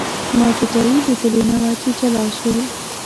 ما جدایي لیدلې نه وه چې جلا شو.